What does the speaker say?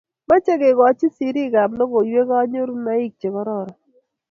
mache kegoch sirik ab logoiywek kanyorunoik che karoron